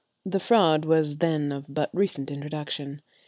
The fraud was then of but recent introduction.